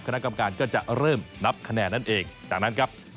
คณะกรรมการก็จะเริ่มนับคะแนนนั่นเองจากนั้นครับ